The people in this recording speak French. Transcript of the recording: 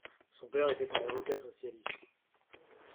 Son père était un avocat socialiste.